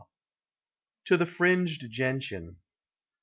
TO THE FRINGED GENTIAN.